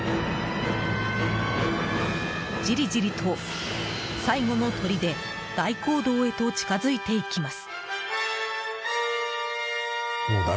じりじりと最後の砦大講堂へと近づいていきます。